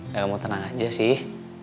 kamu tenang aja sih